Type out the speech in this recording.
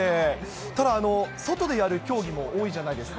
ただ、外でやる競技も多いじゃないですか。